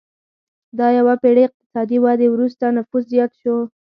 له یوې پېړۍ اقتصادي ودې وروسته نفوس زیات شو.